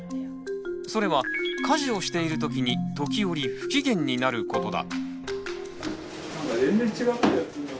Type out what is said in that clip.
それは家事をしている時に時折不機嫌になることだ。